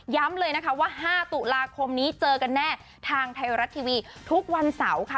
เลยนะคะว่า๕ตุลาคมนี้เจอกันแน่ทางไทยรัฐทีวีทุกวันเสาร์ค่ะ